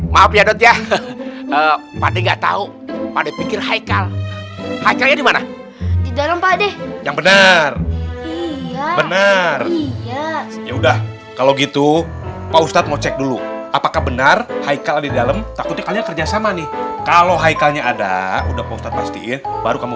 maaf ya dot ya pakde nggak tahu pada pikir haikal haikalnya di mana di dalam